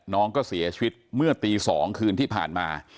น้องก็เสียชีวิตเมื่อตี๒คืนที่ผ่านมา